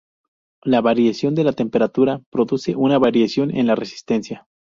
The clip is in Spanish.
La variación de la temperatura produce una variación en la resistencia.